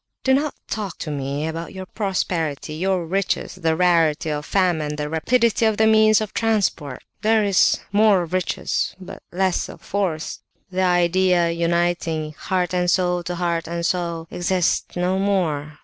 Don't talk to me about your prosperity, your riches, the rarity of famine, the rapidity of the means of transport! There is more of riches, but less of force. The idea uniting heart and soul to heart and soul exists no more.